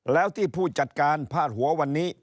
แล้วที่ผู้จัดการพาดหัววันนี้